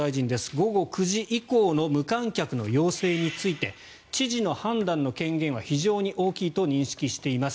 午後９時以降の無観客の要請について知事の判断の権限は非常に大きいと認識しています。